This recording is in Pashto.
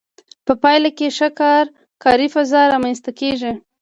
په پایله کې ښه کاري فضا رامنځته کیږي.